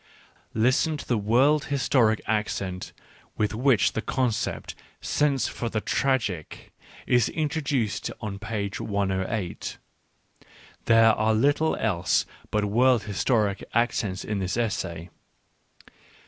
Listen to the world historic accent with which the concept " sense for the tragic " is introduced on page 1 80: there are little else but world historic accents in this essay.